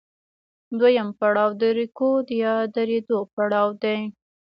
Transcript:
دویم پړاو د رکود یا درېدو پړاو دی